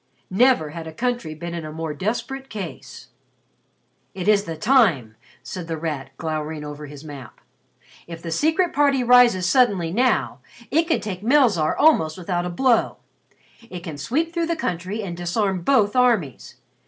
Never had a country been in a more desperate case. "It is the time!" said The Rat, glowering over his map. "If the Secret Party rises suddenly now, it can take Melzarr almost without a blow. It can sweep through the country and disarm both armies.